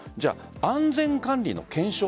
安全管理の検証